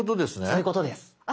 そういうことです。